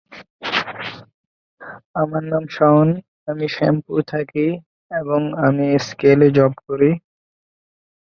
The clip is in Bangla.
গ্র্যান্ট তার কাজের জন্য একটি গোল্ডেন গ্লোব পুরস্কার, একটি বাফটা পুরস্কার ও একটি সম্মানসূচক সেজার অর্জন করেছেন।